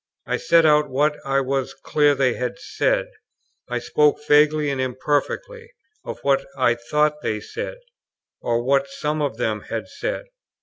I said out what I was clear they had said; I spoke vaguely and imperfectly, of what I thought they said, or what some of them had said.